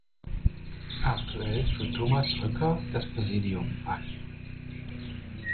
Aktuell führt Thomas Rücker das Präsidium an.